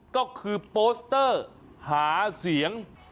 ก็คือโปสเตอร์หาเสียง